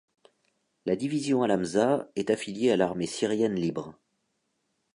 La Division al-Hamza est affiliée à l'Armée syrienne libre.